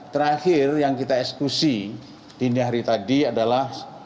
terakhir yang kita ekskusi di nyari tadi adalah